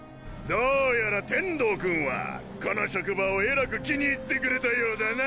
どうやら天道君はこの職場をえらく気に入ってくれたようだな。